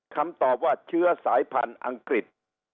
คำตอบว่าเชื้อสายพันธุ์อังกฤษ